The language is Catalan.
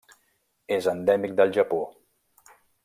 És endèmic del Japó.